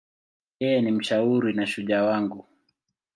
Yeye ni mshauri na shujaa wangu.